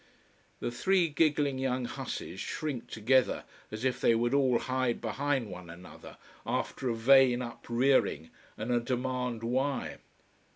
The three giggling young hussies shrink together as if they would all hide behind one another, after a vain uprearing and a demand why?